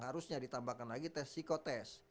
harusnya ditambahkan lagi tes psikotest